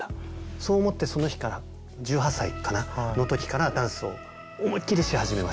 そう思ってその日から１８歳かな？の時からダンスを思いっきりし始めました。